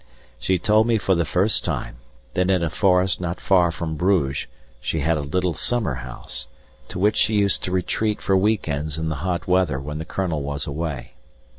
She told me for the first time, that in a forest not far from Bruges she had a little summer house, to which she used to retreat for week ends in the hot weather when the Colonel was away.